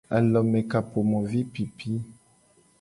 Alomekapomovipipi.